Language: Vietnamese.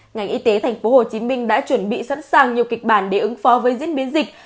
ngành y tế tp hcm đã chuẩn bị sẵn sàng nhiều kịch bản để ứng phó với diễn biến dịch